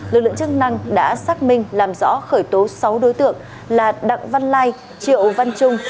lực lượng chức năng đã xác minh làm rõ khởi tố sáu đối tượng là đặng văn lai triệu văn trung